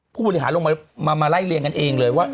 ผู้บริหารลงมาไล่เรียงกันเองเลยว่า